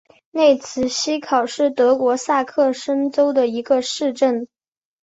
内茨希考是德国萨克森州的一个市镇。